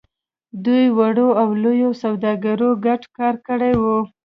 دوی وړو او لويو سوداګرو ګډ کار کړی و.